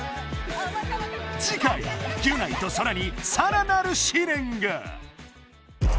次回ギュナイとソラにさらなる試練が。